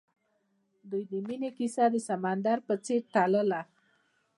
د دوی د مینې کیسه د سمندر په څېر تلله.